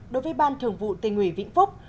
đối với ban thường vụ tình ủy vĩnh phúc